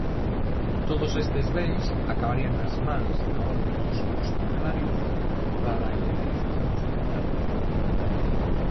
Todos estes bens acabarían nas mans da Orde dos Hospitalarios trala "ilegalización" dos Templarios.